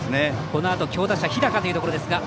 このあと強打者日高というところですが。